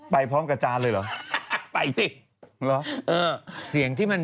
ไปพร้อมกับจานเลยเหรอ